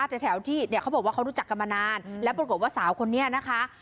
แต่แถวที่เขาบอกว่ารู้จักกันมานานแล้วบอกว่าสาวคนนี้นะคะ